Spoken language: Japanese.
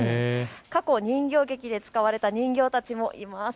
過去、人形劇で使われた人形たちもいます。